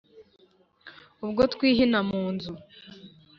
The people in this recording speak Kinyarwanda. ubwo twihina mu nzu